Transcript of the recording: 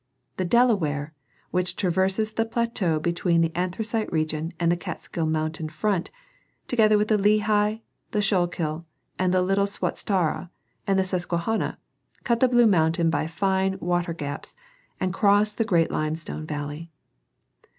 The Delaware, which traverses the plateau between the Anthracite region and the Catskill Mountain front, together with the Lehigh, the Schuylkill, the little Swatara and the Susquehanna, cut the Blue Mountain by fine water gaps, and cross the great limestone valley.